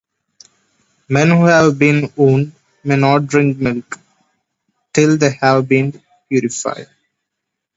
Men who have been wounded may not drink milk till they have been purified.